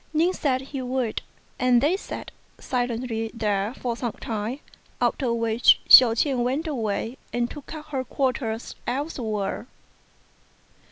Ning said he would, and they sat silently there for some time, after which Hsiao ch'ien went away and took up her quarters elsewhere.